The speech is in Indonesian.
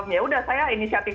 yaudah saya inisiatif